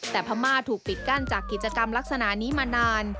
แต่พม่าถูกปิดกั้นจากกิจกรรมลักษณะนี้มานาน